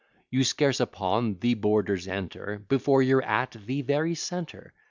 You scarce upon the borders enter, Before you're at the very centre.